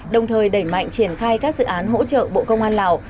đồng thời đẩy mạnh triển khai các dự án hỗ trợ bộ công an lào